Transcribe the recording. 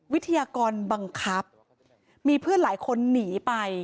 วิทยากรบังคับมีเพื่อนหลายคนหนีไป